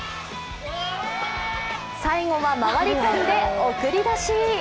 最後は回り込んで送り出し。